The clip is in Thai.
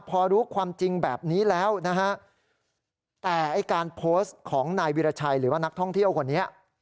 พอรู้ความจริงแบบนี้แล้วนะฮะแต่ไอ้การโพสต์ของนายวิราชัยหรือว่านักท่องเที่ยวคนนี้